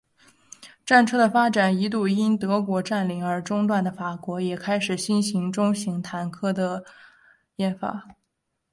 战车的发展一度因德国占领而中断的法国也开始了新型中型坦克的研发。